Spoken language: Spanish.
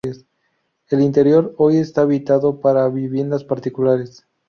El interior hoy está habilitado para viviendas particulares.